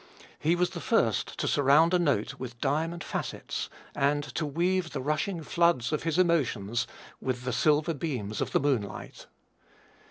He was the first to surround a note with diamond facets and to weave the rushing floods of his emotions with the silver beams of the moonlight.